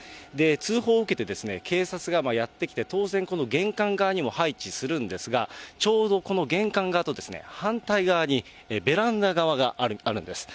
通報を受けて警察がやって来て、当然、この玄関側にも配置するんですが、ちょうどこの玄関側と反対側にベランダ側があるんです。